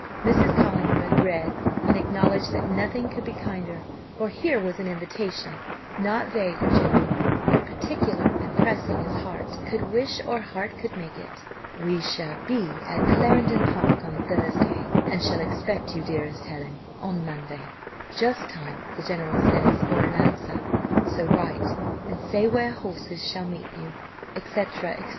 Mrs. Collingwood read and acknowledged that nothing could be kinder, for here was an invitation, not vague or general, but particular, and pressing as heart could wish or heart could make it. "We shall be at Clarendon Park on Thursday, and shall expect you, dearest Helen, on Monday, just time, the general says, for an answer; so write and say where horses shall meet you," &c. &c.